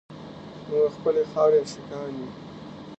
موږ د خپلې خاورې عاشقان یو.